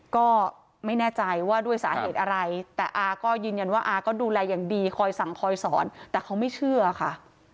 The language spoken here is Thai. ก็ไม่แน่ใจว่าด้วยสาเหตุอะไรแต่อาก็ยืนยันว่าอาก็ดูแลอย่างดีคอยสั่งคอยสอนแต่เขาไม่เชื่อค่ะ